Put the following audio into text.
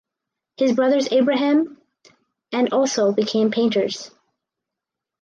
His brothers Abraham and also became painters.